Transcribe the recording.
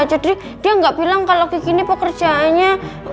jadi dia gak bilang kalo kiki ini pekerjaannya